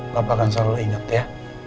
papa akan selalu inget ya